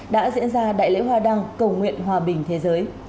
đã diễn ra đại lễ hoa đăng cầu nguyện hòa bình thế giới